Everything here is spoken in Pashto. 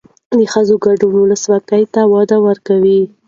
د ښځو ګډون ولسواکۍ ته وده ورکوي.